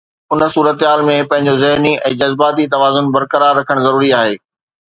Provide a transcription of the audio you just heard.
ان صورتحال ۾ پنهنجو ذهني ۽ جذباتي توازن برقرار رکڻ ضروري آهي.